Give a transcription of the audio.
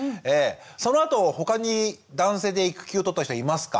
そのあと他に男性で育休を取った人はいますか？